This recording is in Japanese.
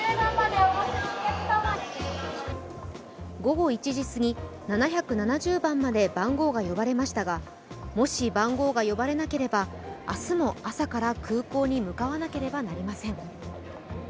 午後１時過ぎ、７７０番まで番号が呼ばれましたが、もし番号が呼ばれなければ、明日も朝から空港に向かわなければなりません。